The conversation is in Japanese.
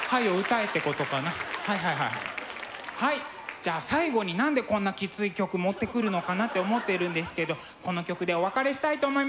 じゃあ最後に何でこんなきつい曲持ってくるのかなって思っているんですけどこの曲でお別れしたいと思います。